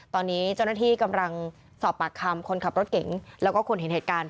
ตอนนี้เจ้าหน้าที่กำลังสอบปากคำคนขับรถเก่งแล้วก็คนเห็นเหตุการณ์